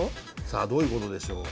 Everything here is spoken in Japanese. さあどういうことでしょう。